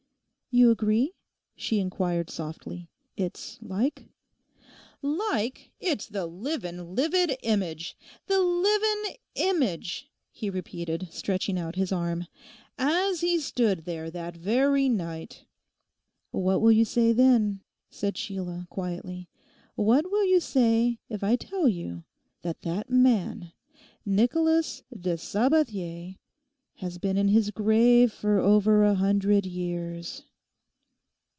'You agree,' she inquired softly, 'it's like?' 'Like! It's the livin' livid image. The livin' image,' he repeated, stretching out his arm, 'as he stood there that very night.' 'What will you say, then,' said Sheila, quietly, 'What will you say if I tell you that that man, Nicholas de Sabathier, has been in his grave for over a hundred years?